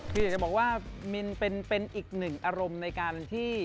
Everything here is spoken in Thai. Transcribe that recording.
คืออยากจะบอกว่ามินเป็นอีกหนึ่งอารมณ์ในการที่